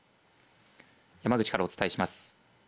山口からお伝えします。